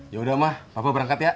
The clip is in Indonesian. ya udah mak papa berangkat ya